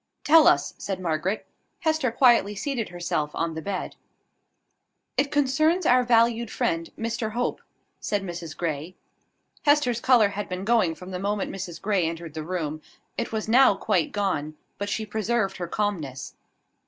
"Tell us," said Margaret. Hester quietly seated herself on the bed. "It concerns our valued friend, Mr Hope," said Mrs Grey. Hester's colour had been going from the moment Mrs Grey entered the room: it was now quite gone; but she preserved her calmness.